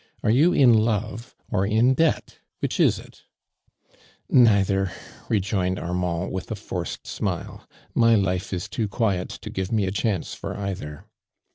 Are you in love or in debt, which is it ?" "Neither," rejoined Armand, withaforced smile. " My life is too quiet to give me a chance for either."